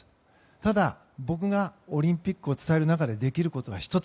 ただ、僕がオリンピックを伝える中で、できることは１つ。